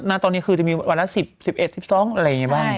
ณตอนนี้คือจะมีวันละ๑๐๑๑๑๑๒อะไรอย่างนี้บ้าง